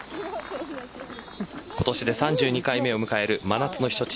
今年で３２回目を迎える真夏の避暑地